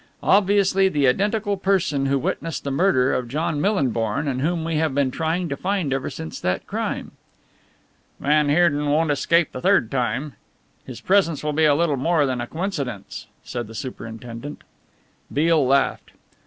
Obviously the identical person who witnessed the murder of John Millinborn and whom we have been trying to find ever since that crime." "Van Heerden won't escape the third time. His presence will be a little more than a coincidence," said the superintendent. Beale laughed.